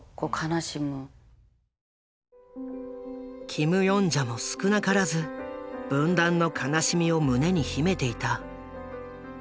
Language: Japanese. キム・ヨンジャも少なからず分断の悲しみを胸に秘めていた。